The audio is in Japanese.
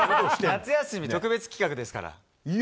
夏休み特別企画ですから。